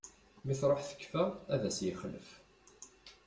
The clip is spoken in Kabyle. Mi truḥ tekfa, ad as-yexlef.